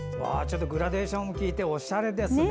グラデーションが効いておしゃれですね。